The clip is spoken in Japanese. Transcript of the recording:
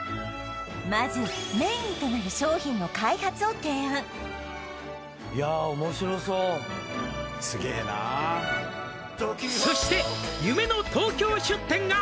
まずメインとなる商品の開発を提案いやあすげえな「そして夢の東京出店が」